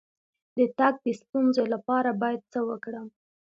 د تګ د ستونزې لپاره باید څه وکړم؟